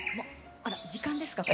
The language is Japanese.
あら時間ですか？